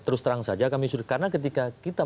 terus terang saja kami sudah karena ketika kita